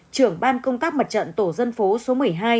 trưởng ban công tác mặt trận tổ dân phố số một mươi hai